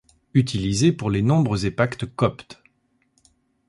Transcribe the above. Utilisés pour les Nombres épactes coptes.